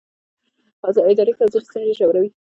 اداري کمزوري ستونزې ژوروي